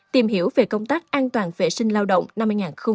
tìm hiểu về công tác an toàn vệ sinh lao động năm hai nghìn hai mươi bốn